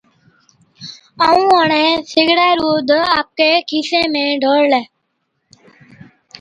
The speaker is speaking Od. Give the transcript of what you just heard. ائُون اُڻهين سِگڙَي ڏُوڌ آپڪي کِيسي ۾ ڍوڙلَي،